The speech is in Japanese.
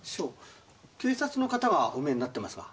警察の方がお見えになってますが。